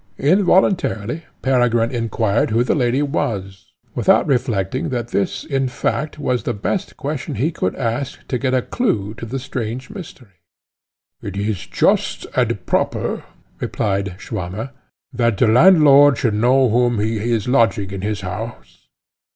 Involuntarily Peregrine inquired who the lady was, without reflecting that this in fact was the best question he could ask to get a clue to the strange mystery. "It is just and proper," replied Swammer, "that the landlord should know whom he is lodging in his house.